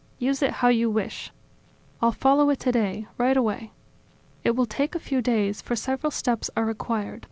. Use it how you wish." "I'll follow it today, right away." "It will take a few days, for several steps are required.